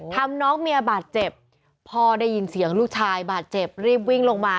น้องเมียบาดเจ็บพ่อได้ยินเสียงลูกชายบาดเจ็บรีบวิ่งลงมา